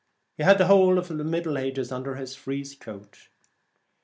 He had the whole Middle Ages under his frieze coat.